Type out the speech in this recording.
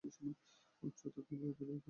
উচ্চতাকে ভয় পেলে পাইলট হবে কীভাবে?